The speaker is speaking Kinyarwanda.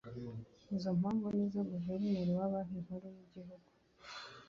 Izo mpamvu ni zo Guverineri wa Banki Nkuru y’igihugu